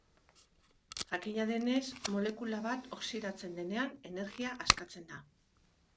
Jakina denez, molekula bat oxidatzen denean energia askatzen da.